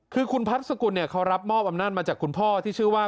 คือคุณพัฒน์สกุลเนี่ยเขารับมอบอำนาจมาจากคุณพ่อที่ชื่อว่า